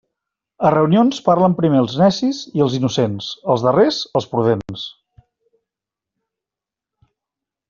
A reunions parlen primer els necis i els innocents; els darrers, els prudents.